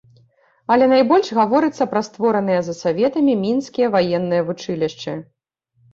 Але найбольш гаворыцца пра створаныя за саветамі мінскія ваенныя вучылішчы.